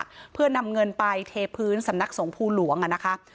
ตำรวจบอกว่าภายในสัปดาห์เนี้ยจะรู้ผลของเครื่องจับเท็จนะคะ